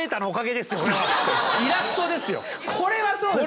これはそうですね。